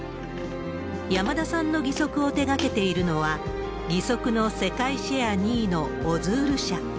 山田さんの義足を手がけているのは、義足の世界シェア２位のオズール社。